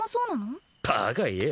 バカ言え。